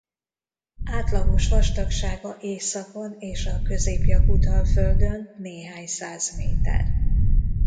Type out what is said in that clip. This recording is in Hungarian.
Átlagos vastagsága északon és a Közép-jakut-alföldön néhány száz méter.